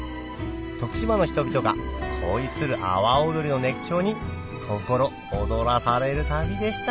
徳島の人々が恋する阿波おどりの熱狂に心躍らされる旅でした